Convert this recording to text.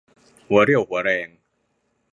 หัวเรี่ยวหัวแรง